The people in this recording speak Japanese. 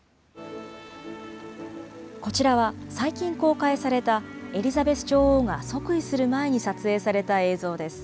こちらは最近公開されたエリザベス女王が即位する前に撮影された映像です。